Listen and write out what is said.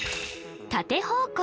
縦方向